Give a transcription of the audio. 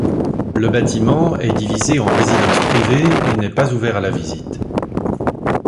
Le bâtiment est divisé en résidences privées et n'est pas ouvert à la visite.